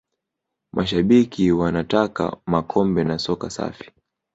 mashabiki wa nataka makombe na soka safi